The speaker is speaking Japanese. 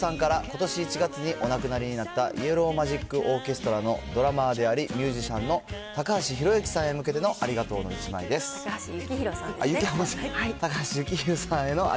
本上さんから、ことし１月にお亡くなりになったイエロー・マジック・オーケストラのドラマーであり、ミュージシャンの高橋ひろゆきさんへ向けてのありがとうの１枚で高橋幸宏さんですね。